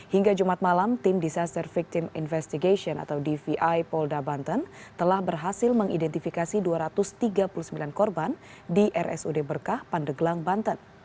hingga jumat malam tim disaster victim investigation atau dvi polda banten telah berhasil mengidentifikasi dua ratus tiga puluh sembilan korban di rsud berkah pandeglang banten